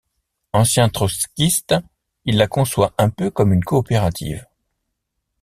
Ancien trotskiste, il la conçoit un peu comme une coopérative.